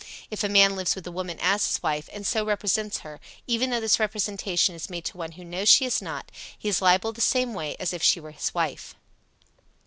If a man lives with a woman as his wife, and so represents her, even though this representation is made to one who knows she is not, he is liable the same way as if she were his wife.